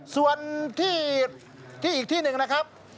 ส่วนที่อีกที่หนึ่งนะครับ